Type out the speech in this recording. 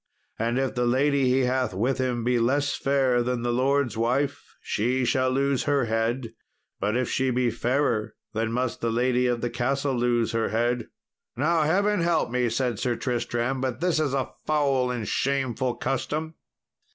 And if the lady he hath with him be less fair than the lord's wife, she shall lose her head; but if she be fairer, then must the lady of the castle lose her head." "Now Heaven help me," said Sir Tristram, "but this is a foul and shameful custom.